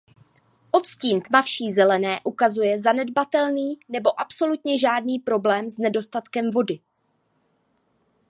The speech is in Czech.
Odstín tmavší zelené ukazuje zanedbatelný nebo absolutně žádný problém s nedostatkem vody.